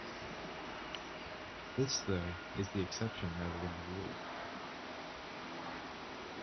This, though, is the exception rather than the rule.